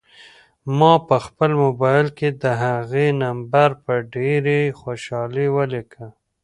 ما په خپل موبایل کې د هغې نمبر په ډېرې خوشحالۍ ولیکه.